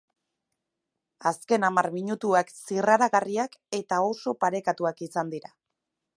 Azken hamar minutuak zirraragarriak eta oso parekatuak izan dira.